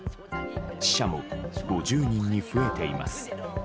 死者も５０人に増えています。